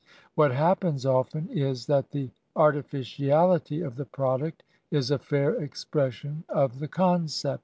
Wliat happens often is that the arti ficifdity of the product is a fair expression of the concept.